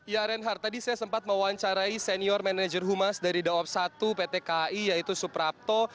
ya herenhardt tadi saya sempat mewawancarai senior manajer humas dari daob satu ptki yaitu suprapto